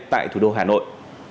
tại thủ đô hà nội